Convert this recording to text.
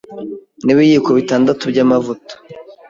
n’ibiyiko bitandatu by’amavuta